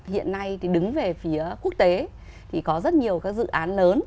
hiện nay thì đứng về phía quốc tế thì có rất nhiều các dự án lớn